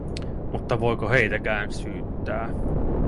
Mutta voiko heitäkään syyttää?